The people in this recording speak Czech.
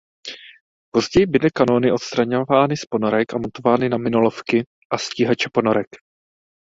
Později byly kanóny odstraňovány z ponorek a montovány na minolovky a stíhače ponorek.